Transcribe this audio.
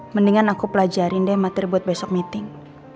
mendingan aku pelajarin deh materi buat besok meeting